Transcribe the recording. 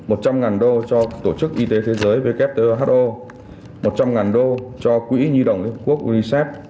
một trăm linh usd cho tổ chức y tế thế giới wto một trăm linh usd cho quỹ nhi động liên hợp quốc unicef